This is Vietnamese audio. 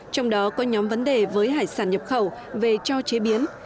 trong đó có nhóm vấn đề với hải sản nhập khẩu về cho chế biến